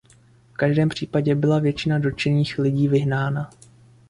V každém případě byla většina dotčených lidí vyhnána.